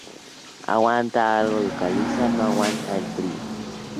Aguanta algo de caliza, no aguanta el frío.